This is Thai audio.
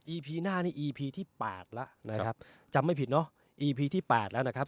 พีหน้านี่อีพีที่แปดแล้วนะครับจำไม่ผิดเนอะอีพีที่แปดแล้วนะครับ